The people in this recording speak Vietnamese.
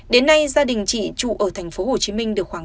đến nay gia đình chị trụ ở tp hcm